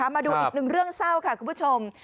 มาดูอีกหนึ่งเรื่องเศร้าค่ะคุณผู้ชม